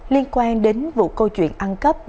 liên quan đến vụ câu chuyện ăn cắp